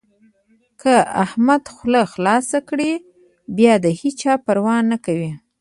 که احمد خوله خلاصه کړي؛ بيا د هيچا پروا نه کوي.